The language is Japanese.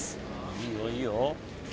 いいよいいよ。